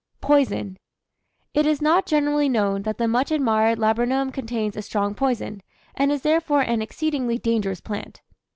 POISON. It is not generally known that the much admired laburnum contains a strong poison, and is therefore an exceedingly dangerous plant.